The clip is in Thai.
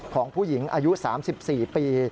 ของผู้หญิงอายุ๓๔ปี